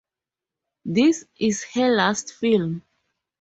This is her last film.